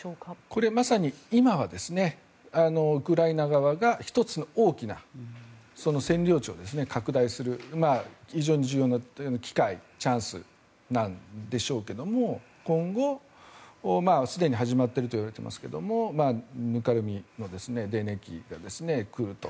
これ、まさに今はウクライナ側が１つの大きな占領地を拡大する非常に重要な機会チャンスなんでしょうけど今後、すでに始まっているといわれていますがぬかるみの、泥濘期が来ると。